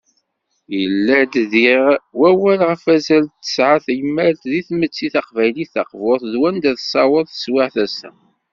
Yella-d diɣ, wawal ɣef wazal i tesɛa teywalt deg tmetti taqbaylit taqburt, d wanda tessaweḍ teswiɛt ass-a.